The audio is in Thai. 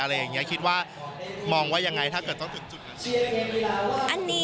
อะไรอย่างนี้คิดว่ามองว่ายังไงถ้าเกิดต้องถึงจุดนั้น